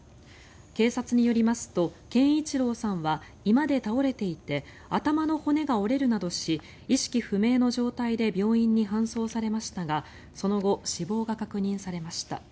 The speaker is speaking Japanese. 警察によりますと憲一郎さんは居間で倒れていて頭の骨が折れるなどし意識不明の状態で病院に搬送されましたがその後、死亡が確認されました。